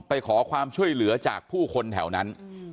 ไปขอความช่วยเหลือจากผู้คนแถวนั้น